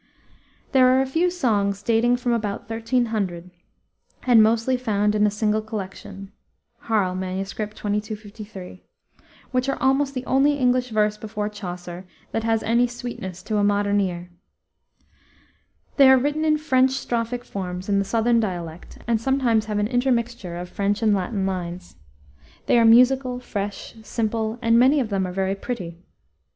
There are a few songs dating from about 1300, and mostly found in a single collection (Harl, MS., 2253), which are almost the only English verse before Chaucer that has any sweetness to a modern ear. They are written in French strophic forms in the southern dialect, and sometimes have an intermixture of French and Latin lines. They are musical, fresh, simple, and many of them very pretty.